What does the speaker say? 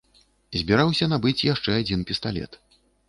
Збіраўся набыць яшчэ адзін пісталет.